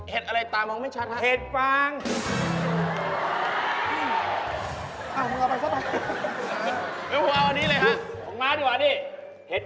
เห็ดอะไรตามองไม่ชัด